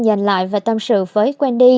dành lại và tâm sự với wendy